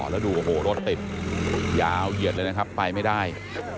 แล้วดูโอ้โหรถติดยาวเหยียดเลยนะครับไปไม่ได้